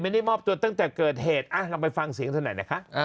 ไม่ได้มอบตัวตั้งแต่เกิดเหตุเราไปฟังเสียงเธอหน่อยนะคะ